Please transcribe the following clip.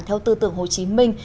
theo tư tưởng hồ chí minh